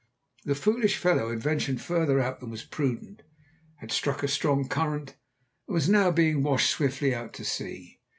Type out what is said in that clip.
The foolish fellow had ventured farther out than was prudent, had struck a strong current, and was now being washed swiftly out to sea.